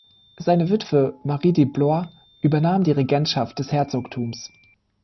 Seine Witwe Marie de Blois übernahm die Regentschaft des Herzogtums.